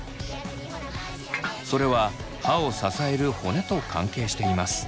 それは歯を支える骨と関係しています。